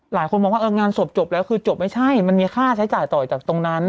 หลายคนมองว่างานศพจบแล้วคือจบไม่ใช่มันมีค่าใช้จ่ายต่อจากตรงนั้น